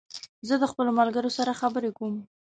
زه د خپلو ملګرو سره خبري کوم